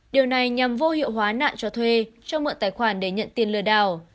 điều này nhằm vô hiệu hóa nạn cho thuê cho mượn tài khoản để nhận tiền lừa đảo